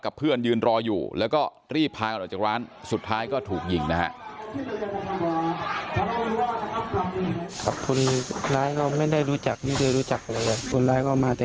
เพื่อนยืนรออยู่แล้วก็รีบพากันออกจากร้านสุดท้ายก็ถูกยิงนะฮะ